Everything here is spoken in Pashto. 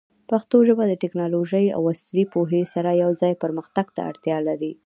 پښتو ژبه د ټیکنالوژۍ او عصري پوهې سره یوځای پرمختګ ته اړتیا لري.